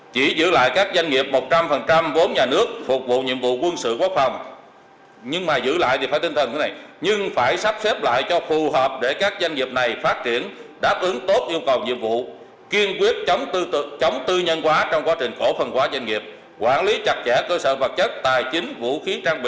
bản lý chặt chẽ cơ sở vật chất tài chính vũ khí trang bị đất đai nhất là những khu quốc phòng có giá trị về quân sự quốc phòng và về kinh tế